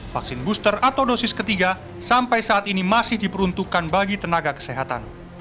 vaksin booster atau dosis ketiga sampai saat ini masih diperuntukkan bagi tenaga kesehatan